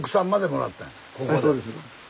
そうです。